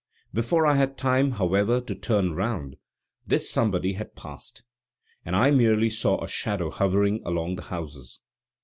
Before I had time, however, to turn round, this somebody had passed, and I merely saw a shadow hovering along the houses.